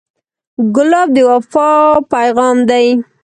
ګلاب د وفا پیغام دی.